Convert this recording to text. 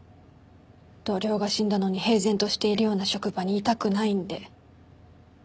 同僚が死んだのに平然としているような職場にいたくないんで。